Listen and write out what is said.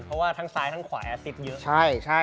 เพราะว่าทั้งซ้ายทั้งขวายซิบเยอะ